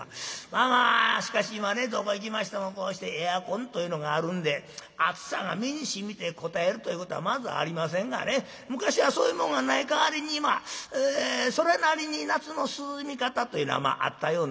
まあしかし今ねどこ行きましてもこうしてエアコンというのがあるんで暑さが身にしみてこたえるということはまずありませんがね昔はそういうもんがない代わりにそれなりに夏の涼み方というのはあったようなんですけれども。